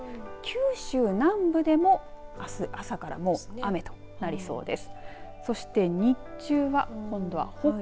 九州南部でもあす朝からもう雨となりそうです。